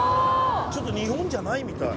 ちょっと日本じゃないみたい。